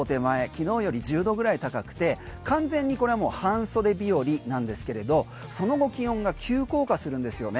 昨日より１０度ぐらい高くて完全にこれはもう半袖日和なんですけれどその後気温が急降下するんですよね。